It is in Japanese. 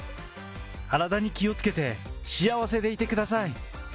体に気をつけて幸せでいてください。